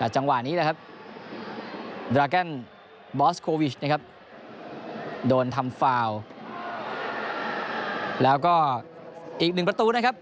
จากจังหวะนี้นะครับบอสโควิชนะครับโดนทำแล้วก็อีกหนึ่งประตูนะครับ